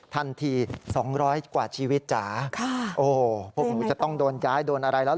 ทันที๒๐๐กว่าชีวิตจ้าโอ้พวกหนูจะต้องโดนย้ายโดนอะไรแล้ว